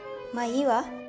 まあいいわ。